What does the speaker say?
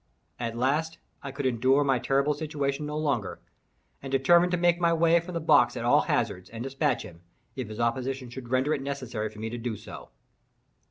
At last I could endure my terrible situation no longer, and determined to make my way from the box at all hazards, and dispatch him, if his opposition should render it necessary for me to do so.